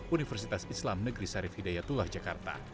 universitas islam negeri sarif hidayatullah jakarta